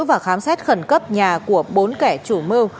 và khám xét khẩn cấp nhà của bốn kẻ chủ mưu